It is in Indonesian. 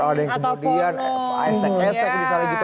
kalau ada yang kemudian esek esek misalnya gitu